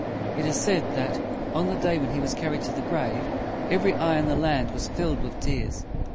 It is said, that, on the day when he was carried to the grave, every eye in the land was filled with tears.